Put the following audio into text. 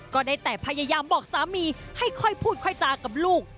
ก็ได้แต่พยายามบอกสามีให้ค่อยพูดค่อยจากับลูก